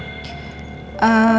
nanti aku datang